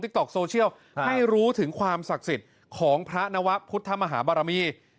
ต๊อกโซเชียลให้รู้ถึงความศักดิ์สิทธิ์ของพระนวะพุทธมหาบารมี